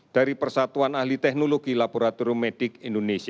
dari persatuan ahli teknologi laboratorium medik indonesia